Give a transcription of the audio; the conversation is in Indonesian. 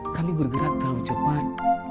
kami bergerak terlalu cepat